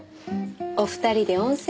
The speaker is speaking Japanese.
お二人で温泉？